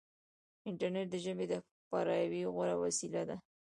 انټرنیټ د ژبې د خپراوي غوره وسیله ده.